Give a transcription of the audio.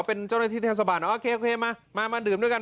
เป็นเจ้าหน้าที่เทศบาลโอเคมามาดื่มด้วยกัน